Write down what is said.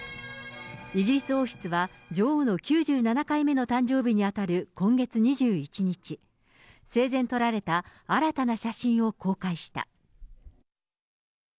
イギリス王室は、女王の９７回目の誕生日に当たる今月２１日、生前撮られた新たな写真を公開した。